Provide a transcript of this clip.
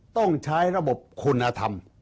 ต้องใช้ระบบคุณธรรม